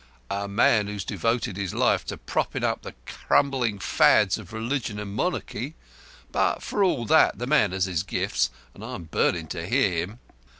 "A man who's devoted his whole life to propping up the crumbling Fads of Religion and Monarchy. But, for all that, the man has his gifts, and I'm burnin' to hear him."